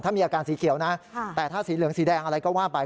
ถ้ามีอาการสีเขียวนะแต่ถ้าสีเหลืองสีแดงอะไรก็ว่าไป